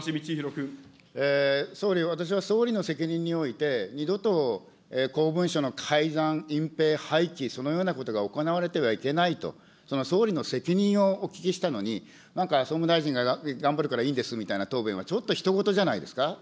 総理、私は総理の責任において、二度と公文書の改ざん、隠蔽、廃棄、そのようなことが行われてはいけないと、その総理の責任をお聞きしたのに、なんか総務大臣が頑張るからいいんですみたいな答弁はちょっとひと事じゃないですか。